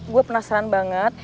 gue penasaran banget